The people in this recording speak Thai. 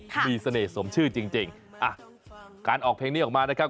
มีเสน่ห์สมชื่อจริงจริงอ่ะการออกเพลงนี้ออกมานะครับ